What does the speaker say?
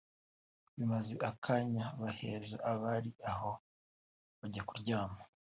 bimaze akanya baheza abari aho bajya kuryama